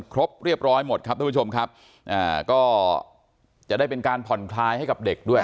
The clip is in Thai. ครบเรียบร้อยหมดครับทุกผู้ชมครับอ่าก็จะได้เป็นการผ่อนคลายให้กับเด็กด้วย